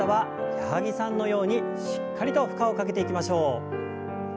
矢作さんのようにしっかりと負荷をかけていきましょう。